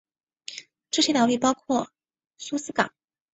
这些岛屿包括苏斯港。